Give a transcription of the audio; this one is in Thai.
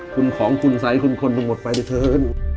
คุณของคุณใสคุณคนทุกมพิษภัยเถอะ